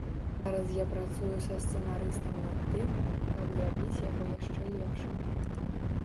Зараз я працую са сцэнарыстам над тым, каб зрабіць яго яшчэ лепшым.